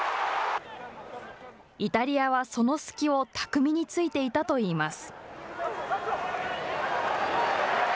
イタリアはその隙を巧みについていたといいます。